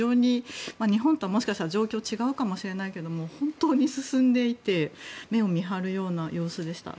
日本とはもしかしたら状況は違うかもしれないけれど本当に進んでいて目を見張るような様子でした。